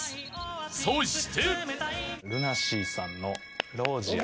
［そして］